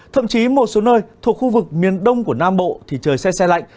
thậm chí một số nơi thuộc khu vực miền đông của nam bộ thì trời xe xe lạnh